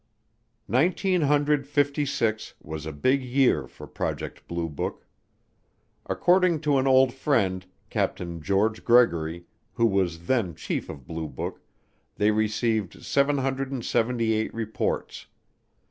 Nineteen hundred fifty six was a big year for Project Blue Book. According to an old friend, Captain George Gregory, who was then Chief of Blue Book, they received 778 reports.